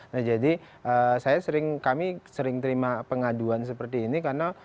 nah jadi kami sering terima pengaduan seperti ini karena